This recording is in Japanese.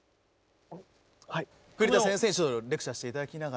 栗田先生にレクチャーしていただきながら。